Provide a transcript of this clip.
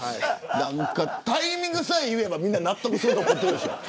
タイミングさえ言えばみんな納得すると思ってる。